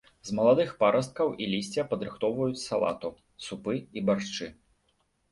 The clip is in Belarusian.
З маладых парасткаў і лісця падрыхтоўваюць салату, супы і баршчы.